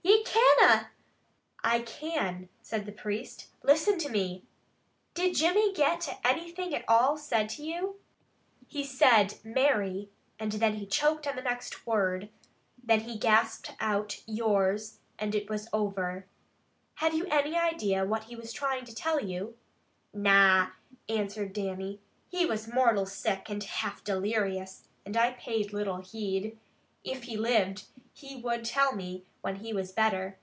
"Ye canna!" "I can," said the priest. "Listen to me! Did Jimmy get anything at all said to you?" "He said, 'Mary,' then he choked on the next word, then he gasped out 'yours,' and it was over." "Have you any idea what he was trying to tell you?" "Na!" answered Dannie. "He was mortal sick, and half delirious, and I paid little heed. If he lived, he would tell me when he was better.